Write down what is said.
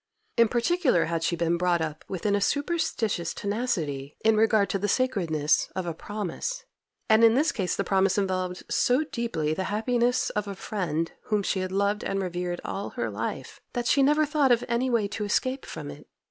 In particular had she been brought up within a superstitious tenacity in regard to the sacredness of a promise, and in this case the promise involved so deeply the happiness of a friend whom she had loved and revered all her life, that she never thought of any way of escape from it.